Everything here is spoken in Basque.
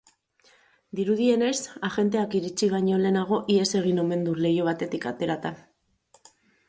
Dirudienez, agenteak iritsi baino lehenago ihes egin omen du leiho batetik aterata.